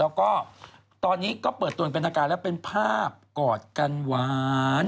แล้วก็ตอนนี้ก็เปิดตัวเป็นภาพกอดกันหวาน